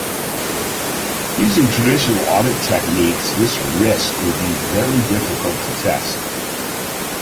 Using traditional audit techniques this risk would be very difficult to test.